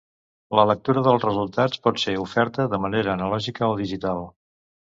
La lectura dels resultats pot ser oferta de manera analògica o digital.